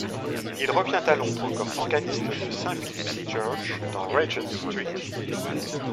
Il revient à Londres comme organiste de St Philip's Church, dans Regent Street.